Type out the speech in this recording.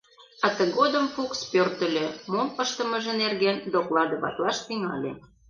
А тыгодым Фукс пӧртыльӧ, мом ыштымыже нерген докладыватлаш тӱҥале: